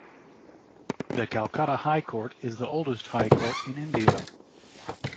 The Calcutta High Court is the oldest High Court in India.